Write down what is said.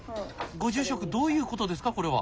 ご住職どういう事ですかこれは？